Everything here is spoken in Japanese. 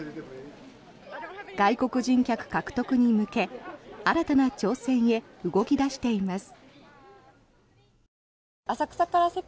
外国人客獲得に向け新たな挑戦へ動き出しています。